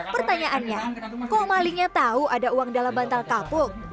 pertanyaannya kok malingnya tahu ada uang dalam bantal kapuk